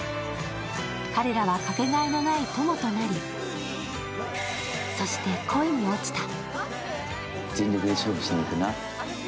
彼らはかけがえのない友となりそして、恋に落ちた。